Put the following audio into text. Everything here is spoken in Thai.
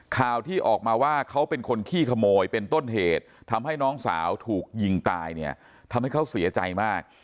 ข่าวที่ออกมาว่าเขาเป็นคนขี้ขโมยเป็นต้นเหตุทำให้น้องสาวถูกยิงตายเนี่ยทำให้เขาเสียใจมาก